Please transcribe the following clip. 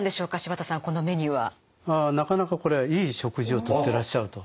なかなかこれはいい食事をとってらっしゃると。